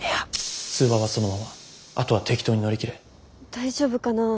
大丈夫かな。